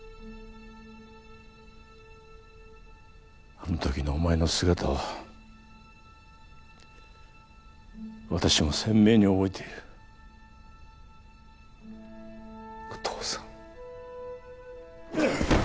あの時のお前の姿を私も鮮明に覚えているお父さん